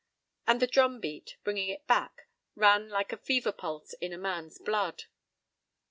And the drumbeat, bringing it back, ran like a fever pulse in a man's blood.